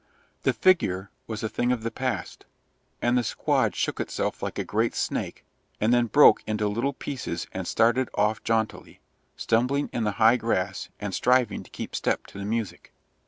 The figure was a thing of the past, and the squad shook itself like a great snake, and then broke into little pieces and started off jauntily, stumbling in the high grass and striving to keep step to the music.